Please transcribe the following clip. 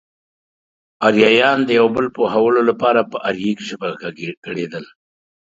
اريايان د يو بل د پوهولو لپاره په اريک ژبه ګړېدل.